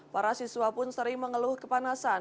para siswa pun sering mengeluh kepanasan